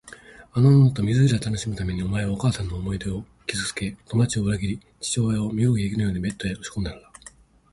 あの女と水入らずで楽しむために、お前はお母さんの思い出を傷つけ、友だちを裏切り、父親を身動きできぬようにベッドへ押しこんだのだ。